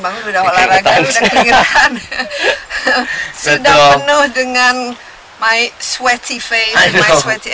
bangun udah olahraga udah keringetan sudah penuh dengan my sweaty face my sweaty everything